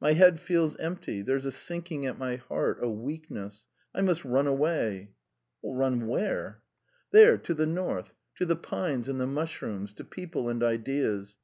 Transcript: My head feels empty; there's a sinking at my heart, a weakness. ... I must run away." "Run where?" "There, to the North. To the pines and the mushrooms, to people and ideas.